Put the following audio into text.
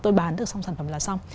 tôi bán được sản phẩm là xong